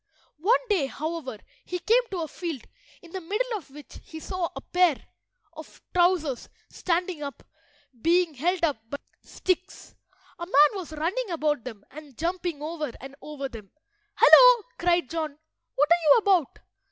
One day, however, he came to a field, in the middle of which he saw a pair of trousers standing up, being held up by sticks. A man was running about them and jumping over and over them. "Hullo!" cried John. "What are you about?"